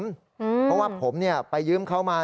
เพราะว่าผมไปยืมเขามา